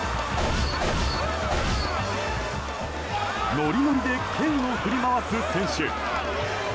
ノリノリで剣を振り回す選手。